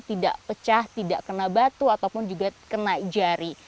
tidak pecah tidak kena batu ataupun juga kena jari